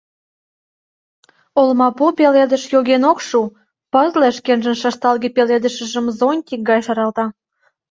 Олмапу пеледыш йоген ок шу, пызле шкенжын шышталге пеледышыжым зонтик гай шаралта.